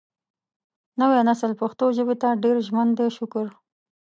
نوی نسل پښتو ژبې ته ډېر ژمن دی شکر